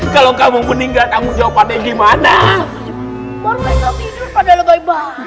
kalau kamu meninggal tanggung jawabannya gimana